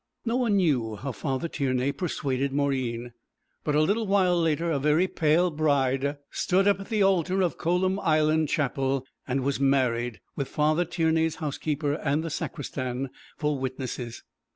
No one knew how Father Tiernay persuaded Mauryeen. But a little while later a very pale bride stood up at the altar of Columb Island Chapel, and was married, with Father Tiernay's housekeeper and the sacristan for witnesses.